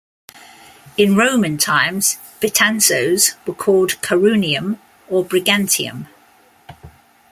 In Roman times Betanzos were called "Carunium" or "Brigantium".